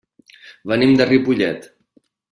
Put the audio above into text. Venim de Ripollet.